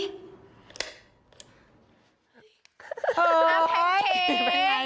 เออเอ้าแพนเค้ก